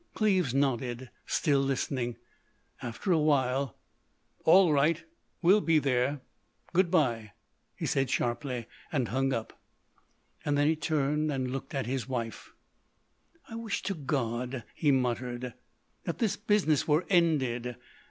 Cleves nodded, still listening. After a while: "All right. We'll be there. Good bye," he said sharply; and hung up. Then he turned and looked at his wife. "I wish to God," he muttered, "that this business were ended.